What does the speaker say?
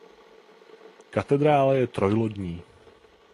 Katedrála je trojlodní.